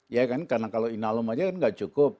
ya kan karena kalau inalum aja kan nggak cukup